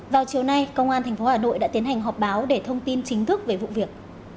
vào chiều nay công an tp hà nội đã tiến hành họp báo để thông tin chính thức về vụ việc